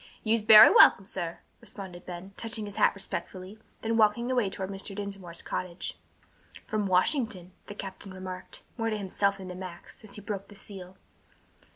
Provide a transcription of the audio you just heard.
"You's bery welcom, sah," responded Ben, touching his hat respectfully, then walking away toward Mr. Dinsmore's cottage. "From Washington," the captain remarked, more to himself than to Max, as he broke the seal.